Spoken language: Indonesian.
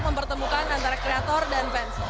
mempertemukan antara kreator dan fans